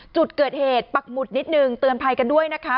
จุดเกิดเหตุปักหมุดนิดนึงเตือนภัยกันด้วยนะคะ